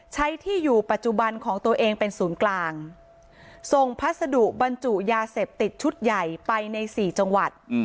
ที่อยู่ปัจจุบันของตัวเองเป็นศูนย์กลางส่งพัสดุบรรจุยาเสพติดชุดใหญ่ไปในสี่จังหวัด